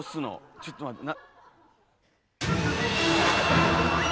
ちょっと待ってな。